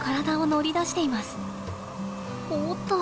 おっと！